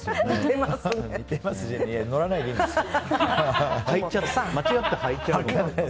乗らないでいいんですよ！